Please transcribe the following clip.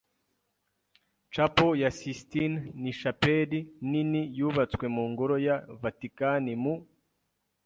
Chapel ya Sistine ni shapeli nini yubatswe mu ngoro ya Vatikani mu .